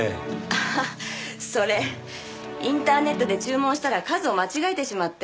ああそれインターネットで注文したら数を間違えてしまって。